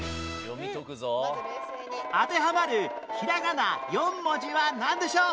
当てはまるひらがな４文字はなんでしょう？